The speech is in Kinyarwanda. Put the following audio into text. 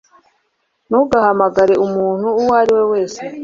ntugahamagare umuntu uwo ari we wese